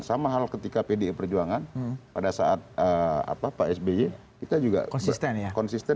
sama hal ketika pdi perjuangan pada saat pak sby kita juga konsisten